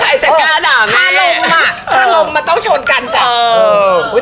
อย่างนี้แม่